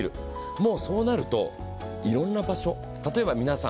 もうそうなると、いろんな場所、例えば皆さん